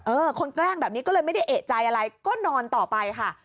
คนแกล้งแบบนี้ก็เลยไม่ได้เอกใจอะไรก็นอนต่อไปค่ะ